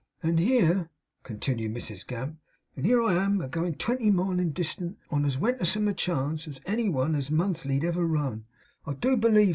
'And here,' continued Mrs Gamp, 'and here am I a goin twenty mile in distant, on as wentersome a chance as ever any one as monthlied ever run, I do believe.